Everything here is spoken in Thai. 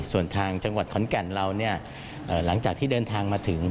ส่วนทางจังหวัดขอนแก่นเราหลังจากที่เดินทางมาถึง